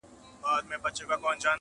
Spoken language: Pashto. که زما د خاموشۍ ژبه ګویا سي,